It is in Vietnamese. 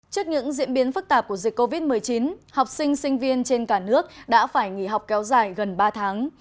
trước những diễn biến phức tạp của dịch covid một mươi chín học sinh sinh viên trên cả nước đã phải nghỉ học kéo dài gần ba tháng